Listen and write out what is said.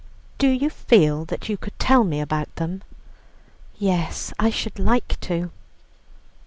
"Do you feel that you could tell me about them?" "Yes, I should like to."